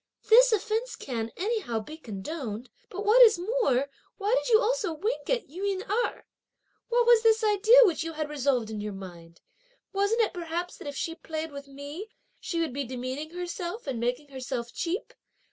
"This offence can, anyhow, be condoned; but, what is more, why did you also wink at Yün Erh? What was this idea which you had resolved in your mind? wasn't it perhaps that if she played with me, she would be demeaning herself, and making herself cheap?